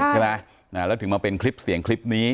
ใช่ไหมแล้วถึงมาเป็นคลิปเสียงคลิปนี้